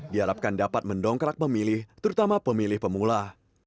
diharapkan dapat mendongkrak pemilih terutama pemilih pemula